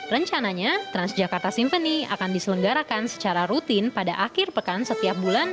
rencananya tras jakarta symphony akan diselenggarakan secara rutin pada akhir pekan setiap bulan